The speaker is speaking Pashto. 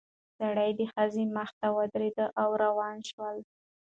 سړی د ښځې مخې ته ودرېد او روان شول.